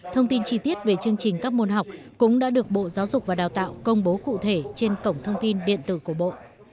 thông tin chi tiết về chương trình các môn học cũng đã được bộ giáo dục và đào tạo công bố cụ thể trên cổng thông tin điện tử của bộ